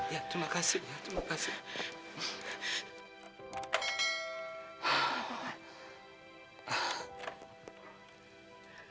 ya terima kasih ya terima kasih